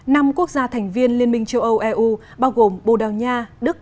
năm quốc gia thành viên liên minh châu âu eu bao gồm bồ đào nha đức